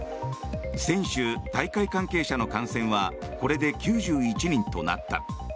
選手、大会関係者の感染はこれで９１人となった。